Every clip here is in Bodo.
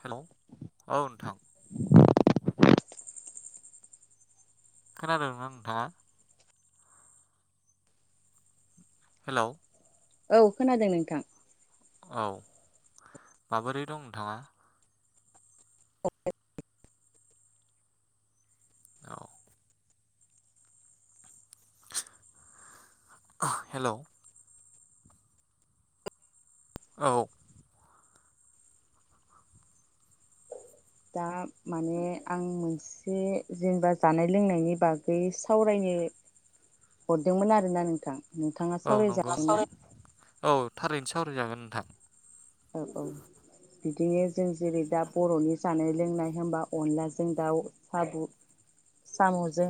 हेलौ औ नोंथां खोनादोंना नोंथाङा हेलौ औ खोनादों नोंथां औ माबोरै दं नोंथाङा [unintelligible] औ हेलौ औ दा माने आं मोनसे जेनेबा जानाय लोंनायनि बागै सावरायनो हरदोंमोन आरोना नोंथां नोंथाङा औ नंगौ मा सावरायजागोन ना सावराय औ थारैनो सावरायजागोन नोंथां औ औ बिदिनो जों जेरै दा बर'नि जानाय लोंनाय होमबा अनलाजों दाउ साबु साम'जों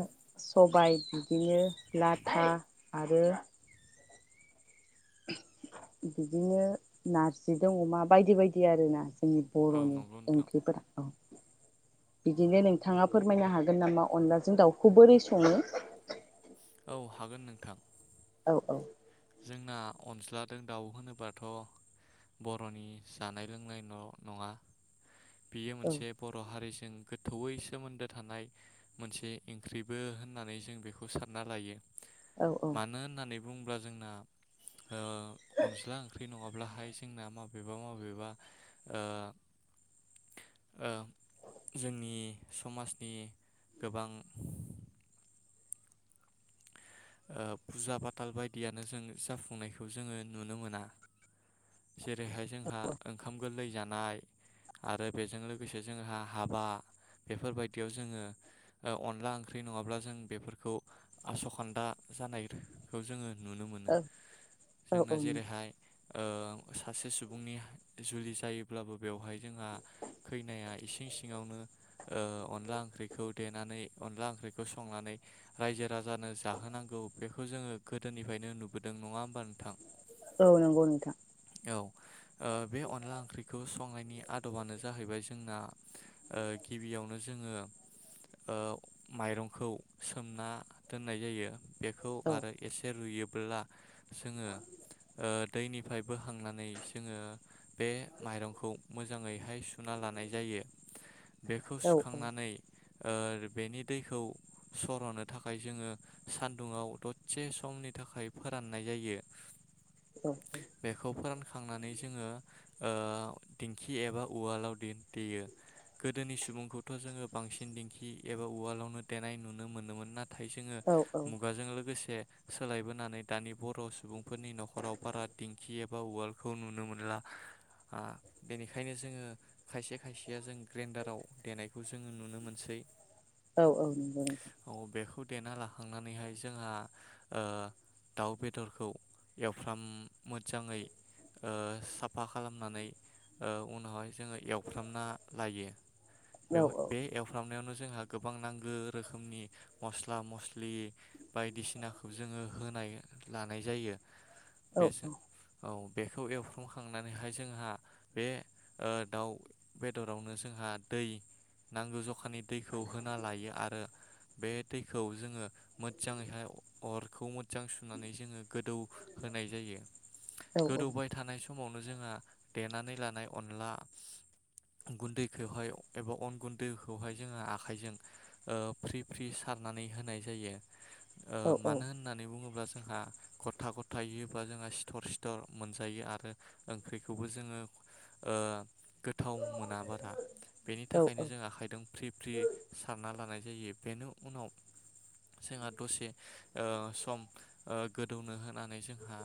सबाय बिदिनो लाथा आरो बिदिनो नारजिदों अमा बायदि बायदि आरो ना जोंनि औ बरनि नंगौ नोंथां ओंख्रिफोरा औ बिदिनो नोंथाङा फोरमायनो हागोन नामा अनलाजों दाउखौ बोरै सङो? औ हागोन नोंथां। औ औ जोंना अनज्लाजों दाउ होनोबथ बरनि जानाय लोंनायल नङा बियो मोनसे बर हारिजों गोथौयै सोमोन्दो थानाय मोनसे इंख्रिबो होननानै जों बेखौ सानना लायो। औ औ मानो होननानै बुंब्ला जोंना ओ अनज्ला ओंख्रि नङाब्लाहाय जोंना माबेबा मबेबा ओ जोंनि समाजनि गोबां ओ फुजा पाथाल बायदियानो जों जाफुंनायखौ जोङो नुनो मोना। जेरैहाय जोंहा ओंखाम गोरलै जा नाय आरो बेजों लोगोसे जोंहा हाबा बेफोरबायदियाव जोङो ओ अनला ओंख्रि नङाब्ला जों बेफोरखौ आसखान्दा जानायखौ जोङो नुनो मोनो। औ औ औ जोंना जेरैहाय ओ सासे सुबुंनि जुलि जायोब्लाबो बेवहाय जोंहा खैनाया इसिं सिङावनो ओ अनला ओंख्रिखौ देनानै अनला ओंख्रिखौ संनानै रायजो राजानो जाहोनां गौ बेखौ जोङो गोदोनिफ्रायनो नुबोदों नङा होमबा नोंथां? औ नंगौ नोंथां। औ ओ बे अनला ओंख्रिखौ संनाय नि आदबानो जाहैबाय जोंना ओ गिबियावनो जोङो ओ माइरंखौ सोमना दोननाय जायो। बेखौ औ आरो एसे रुयोब बोला जोङो ओ दोनैनिफ्राय बोखांनानै जोङो बे माइरंखौ मोजाङैहाय सुना लानाय जायो बेखौ औ औ सुखांनानै ओ बेनि दैखौ सर'नो थाखाय जोङो सान दुङाव दसे समनि थाखाय फोराननाय जायो। औ बेखौ फोरानखांनानै जोङो ओ दिंखि एबा उवालाव दे-देयो गोदोनि सुबुंखौथ जोङो बांसिन दिंखि एबा उवालावनो देनाय नुनो मोनोमोन। ना थाय जोङो औ जों लोगोसे सोलायबोनानै दानि बर सुबुं फोरनि नखराव बारा दिंखि एब बा उवालखौ नुनो मोनला ओ बेनिखायनो जोङो खायसे खायसेया जों ग्रेन्डाराव देनायखौ जोङो नुनो मोनसै। औ औ नंगौ नोंथां औ बेखौ देना ला थांनानैहाय जोंहा ओ दाउ बेदरखौ एवफ्राम मोजाङै ओ साफा खालामनानै ओ उनावहाय जोङो एवफ्रामना लायो औ बेव औ बे एवफ्रामनायावनो जो जोंहा गोबां नांगौ रोखोमनि मस्ला मस्लि बि बायदिसिनाखौ जोङो होनाय लानाय जायो। औ बेसे औ। बेखौ एवफ्रामखांनानैहाय जोंहा बे ओ दाउ बेदरावनो जोंहा दै नांगौ ज अखानि दैखौ होना लायो आरो बे दैखौ जोङो मोजाङैहाय अरखौ मो जां सुनानै जोङो गोदौ होनाय जायो औ औ गोदौबाय थानाय समाव जोंहा देनानै लानाय अनला गुन्दै खौहाइ एबा अन गुन्दै खौहाइ जोंहा आखायजों ओ फ्रि फ्रि सारनानै होनाय। जायो। ओ औ मानो होननानै बुङोब्ला जोंहा गथा गथायै होबा जोंहा सिथर सिथर मोनजायो आरो ओंख्रिखौबो जोङो ओ गोथाव मोना [unintelligible] बेनि थाखायनो जों आखाइदों फ्रि फ्रि सारना लानाय जायो बेनि उनाव जोंहा दसे ओ सम ओ गोदौनो होनानै जोंहा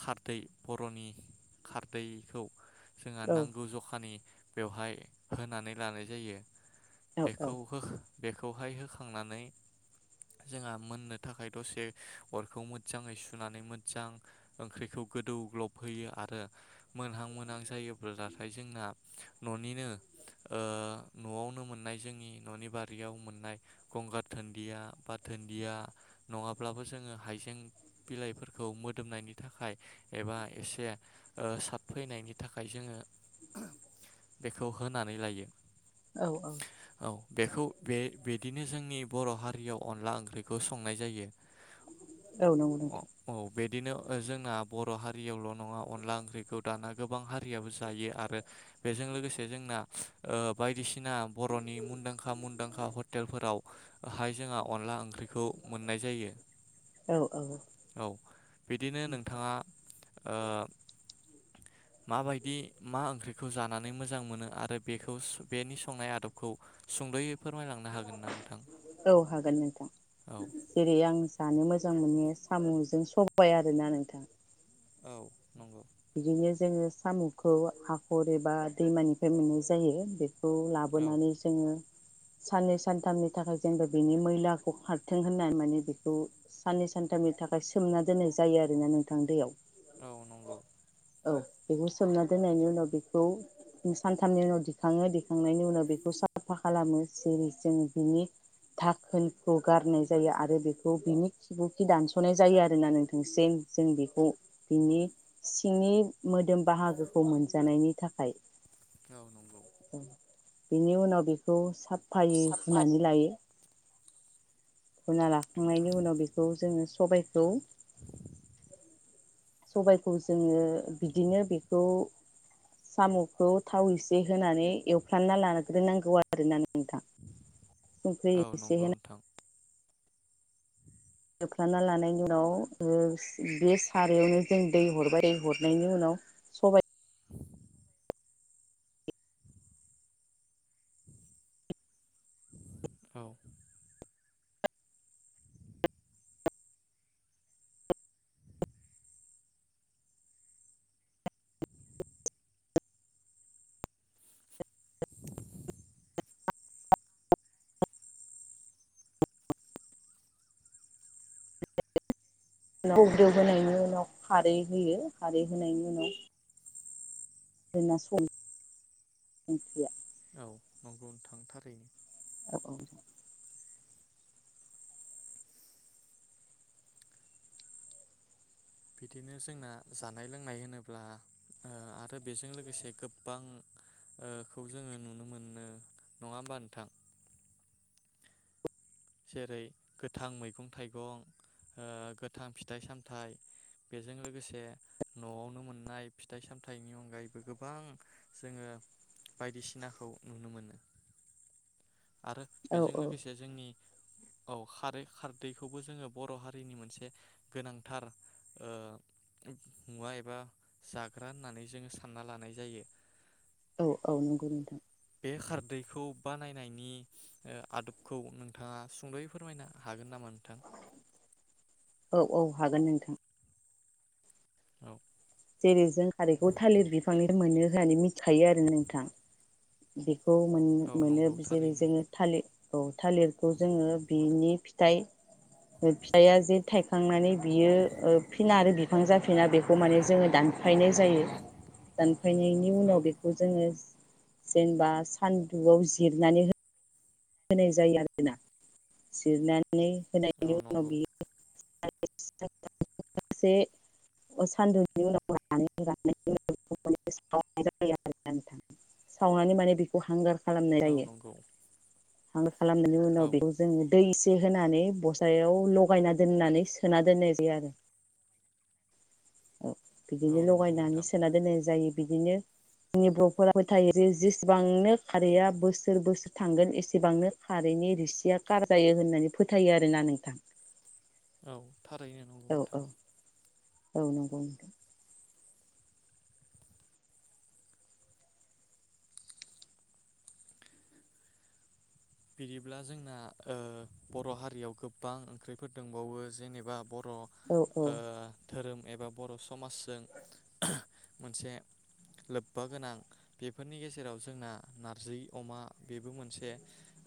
खारदै बरनि खारदैखौ जोंहा नांगौ जखानि बेवहाय होनानै लानाय जायो। बेखौ होख बेखौहाय होखांनानै। जोंहा मोननो थाखाय दसे अरखौ मोजाङै सुनानै मोजां ओंख्रिखौ गोदौ ग्लब होयो आरो मोनहां मोनहां जायोब्लाथाय जोंना ननिनो ओ नआवनो मोननाय जोंनि ननि बारियाव मोननाय गंगार धोनन्दिया। बा धोनन्दिया नङाब्लाबो जोङो हाइजें बिलाइफोरखौ मोदोमनायनि थाखाय एबा एसे ओ साबफैनायनि थाखाय जोङो बेखौ होनानै लायो। औ औ। औ बेखौ बे बिदिनो जोंनि बर हारियाव अनला ओंख्रिखौ संनाय जायो। औ नंगौ नोंथां। अ- औ बिदिनो जोंना बर हारियावल नङा अनला ओंख्रिखौ दाना गोबां हारियाबो जायो आरो बेजों लोगोसे जोंना ओ बायदिसिना बरनि मुंदांखा मुंदांखा हटेलफोराव हाय जोंहा। अनला ओंख्रिखौ मोननाय जायो। औ औ। औ बिदिनो नोंथाङा ओ माबायदि मा ओंख्रिखौ जानानै मोजां मोनो आरो बेखौ बेनि संनाय आदबखौ सुंदयै फोरमायलांनो हागोनना नोंथां? औ हागोन नोंथां औ जेरै आं जानो मोजां मोनो। सामजों सबाय आरोना नोंथां औ नंगौ। बिदिनो जोङो साम'खौ हाखर एबा दैमानिफ्राय मोननाय जायो बे खौ औ लाबोनानै जोङो। साननै सानथामनि थाखाय जोंबो बिनि मैलाखौ खारथों होनना माने बेखौ साननै सानथामनि थाखाय सोमना दोननाय जायो आरोना नोंथां दैयाव। औ नंगौ। औ बेखौ सोमना दोननायनि उनाव बेखौ सानथामनि उनाव दिखाङो दिखांनायनि उनाव बेखौ साफा खालामो जेरै जों बिनि धाखोनखौ गारनाय जायो आरो बेखौ बिनि खिबु खि दानसनाय जायो आरोना नोंथांसिम जों बेखौ बिनि सिंनि मोदोम बाहागोखौ मोनजानायनि थाखाय। औ नंगौ। बिनि उनाव बेखौ साद फायै हुनानै लायो। हुना लाखांनायनि उनाव बेखौ जोंङो सबायखौ सबायखौ जोंङो बिदिनो बेखौ सामखौ थाव एसे होनानै एवफ्राना लाग्रोनांगौ आरोना नोंथां। संख्रि औ एसे नंगौ होना नोंथां बोख्ला लानायनि उनाव ओ बे सारायावनो जों दै हरबाय हरनायनि उनाव सबाय औ। [inaudible] होनायनि उनाव खारै होयो खारै होनायनि उनाव [unintelligible] ओंख्रिया औ नंगौ थां थारैनो। [inaudible] बिदिनो जोंना जानाय लोंनाय होनोब्ला ओ आरो बेजों लोगोसे गोबांओ खौ जोङो नुनो मोनो नङा होमबा नोंथां? जेरै गोथां मैगं थाइगं ओ गोथां फिथाइ सामथाय बेजों लोगोसे नआवनो मोननाय फिथाइ सामथाइनि अनगायैबो गोबां जोङो बायदिसिनाखौ नुनो मोनो। आरो औ बेजों औ लोगोसे जोंनि औ खारै खारदैखौबो जोङो बर हारिनि मोनसे गोनांथार ओ मुवा एबा जाग्रा होननानै जोङो सानना लानाय जायो। औ औ नंगौ नोंथां। बे खारदैखौ बानायनायनि ओ आदबखौ नोंथाङा सुंद'यै फोरमायनो हागोन नामा नोंथां? औ औ हागोन नोंथां। औ। जेरै जों खारैखौ थालिर बिफांनि मोनो होननानै मिथिखायो आरो नोंथां बे खौ मोन औ मोनो नंगौ जेरै थारैनो जोङो थालिर औ थालिरखौ जोङो बिनि फिथाइ फिथाइया जे थायखांनानै बियो ओ फिना आरो बिफां जाफिना बेखौ जोंङो दानफायनाय जायो दानफायनायनि औ उनाव बेखौ जोंङो जेनेबा सान्दुआव जिरनानै हो होनाय जायो आरो ना जिरना माने औ होनायनि उनाव नंगौ बियो [inaudible] से सानदुंनि [inaudible] सावनानै माने बेखौ हांगार खालामनाय औ जायो। नंगौ थांदो खालामनायनि उनाव औ बेखौ जोङो दै इसे होनानै बसायाव लगायना दोननानै सोना दोननाय जायो आरो औ औ बिदिनो नंगौ लगायनानै नोंथां सोना दोननाय जायो। बिदिनो जोंनि बर'फोरा फोथायो जे जेसेबांनो खारैआ बोसोर बोसोर थांगोन एसेबांनो खारैनि रिसिया कार जायो होननानै फोथायो आरोना नोंथां। औ थारायनो नंगौ औ औ नोंथां। औ नंगौ नोंथां। बिदिब्ला जोंना ओ बर' हारियाव गोबां ओंख्रिफोर दंबावो जेनेबा बर' र औ औ ओ धोरोम एबा बर' समाजजों मोनसे लोब्बा गोनां बेफोरनि गेजेराव जोंना नारजि अमा बेबो मोनसे।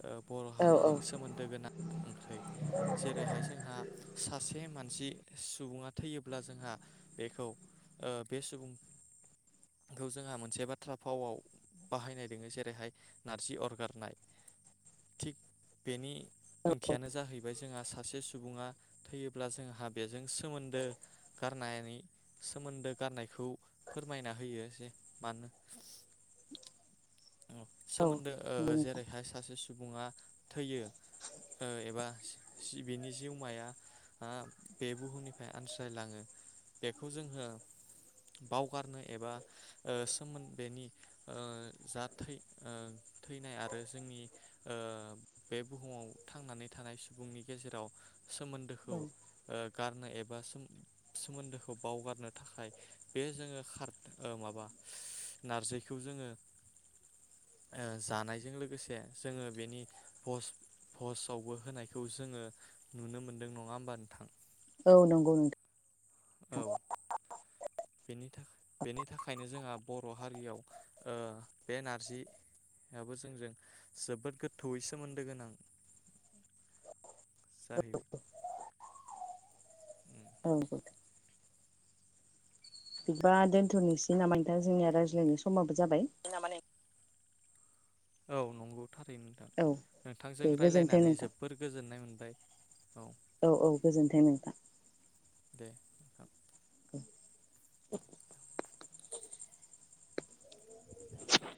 ओ बर' औ हारिजों सोमोन्दो गोनां ओंख्रि जेरैहाय जोंहा सासे मान सि सुबुङा थैयोब्ला जोंहा बेखौ ओ बे सुबुंखौ जोंहा मोनसे बाथ्रा भावाव बाहायनाय दङो जेरैहाय नारजि अरगारनाय, थिक बेनि ओंथियानो जाहैबाय जोंहा सा से सुबुङा थैयोब्ला जोंहा बेजों एस सोमोनदो गारनायनि सोमोन्दो गारनायखौ फोरमायना होयो जे मानो ओ औ सोमोन्दो नंगौ ओ नोंथां जेरैहाय सासे सु सुबुङा थैयो ओ एबा सिबिनि जिउमाया ओ बे बुहुमनिफ्राय आनज्रायलाङो बेखौ जोङो बावगारनो एबा ओ सोमोन बेनि ओ जा थै थैनाय आरो जोंनि, ओ बे बुहुमाव थांनानै थानाय सुबुंनि गेजेराव सोमोन्दोखौ ओ गार नाय एबा सोमोन सोमोन्दोखौ बावगारनो थाखाय बे जोङो गार ओ माबा नारजिखौ जोङो ओ जानायजों लोगोसे जोङो बेनि पस पस्टआवबो होनायखौ जोङो नुनो मोनदों नङा होमबा नोंथां? औ नंगौ औ नोंथां। बेनि थाखाय बेनि थाखायनो जोंहा बर' हारियाव ओ बे नारजियाबबो जोंजों जोबोद गोथौयै सोमोन्दो गोनां जाहैबाय। उम औ। बिदिबा दोनथ'नोसै नामा? नोंथां जोंनिया रायज्लायनाय समाबो, जाबाय औ नंगौ। थारैनो नोंथां औ दे नोंथांजों गोजोन्थों रायलायनानै नोंथां जोबोर गोजोननाय मोनबाय। औ औ औ गोजोन्थों नोंथां। दे [unintelligible]